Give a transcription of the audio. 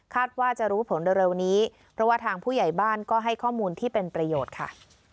ว่าจะรู้ผลเร็วนี้เพราะว่าทางผู้ใหญ่บ้านก็ให้ข้อมูลที่เป็นประโยชน์ค่ะ